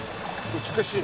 美しい。